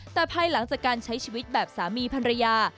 แต่ภายหลังจากการใช้ชีวิตแบบสามีพันรยา